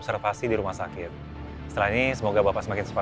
kita reschedule lagi jadwal meetingnya